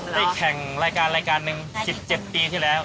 ไปแข่งรายการนึง๑๙ปีที่แล้ว